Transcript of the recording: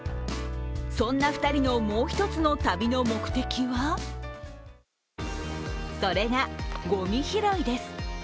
そんな２人のもう一つの旅の目的はそれが、ごみ拾いです。